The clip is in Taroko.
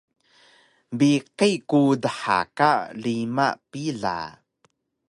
Biqi ku dha ka rima pila